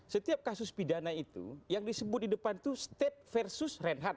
setiap kasus pidana itu yang disebut di depan itu state versus reinhardt